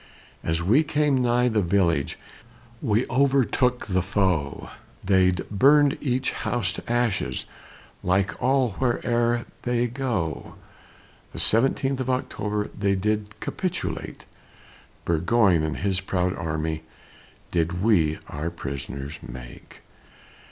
As we came nigh the village, We overtook the foe; They'd burned each house to ashes, Like all where'er they go. The seventeenth of October, They did capitulate, Burgoyne and his proud army Did we our prisoners make.